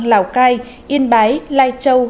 lào cai yên bái lai châu